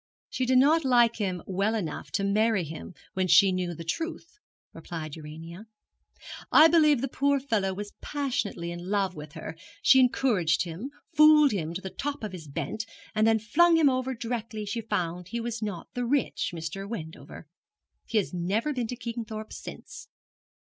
'She did not like him well enough to marry him when she knew the truth,' replied Urania. 'I believe the poor fellow was passionately in love with her. She encouraged him, fooled him to the top of his bent, and then flung him over directly she found he was not the rich Mr. Wendover. He has never been to Kingthorpe since.